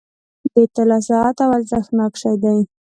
• د طلا ساعت یو ارزښتناک شی دی.